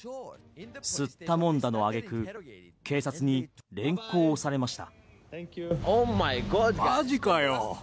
すったもんだの挙句警察に連行されました。